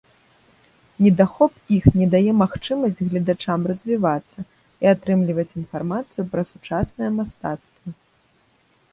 Недахоп іх не дае магчымасць гледачам развівацца і атрымліваць інфармацыю пра сучаснае мастацтва.